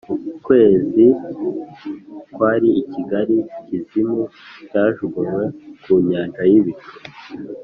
ukwezi kwari ikigali kizimu cyajugunywe ku nyanja yibicu,